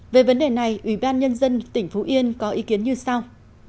về vấn đề này ủy ban nhân dân tỉnh phú yên có ý kiến như sau